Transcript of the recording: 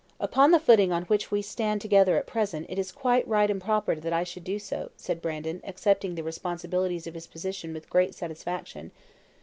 "Upon the footing on which we stand together at present it is quite right and proper that I should do so," said Brandon, accepting the responsibilities of his position with great satisfaction.